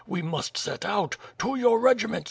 We must set out. To your regiments!